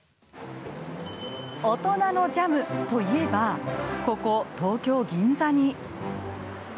大人のジャムといえばここ東京・銀座に。